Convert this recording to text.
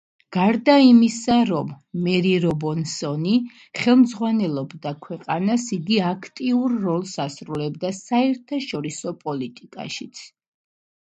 გარდა იმისა, რომ მერი რობინსონი ხელმძღვანელობდა ქვეყანას იგი აქტიურ როლს ასრულებდა საერთაშორისო პოლიტიკაშიც.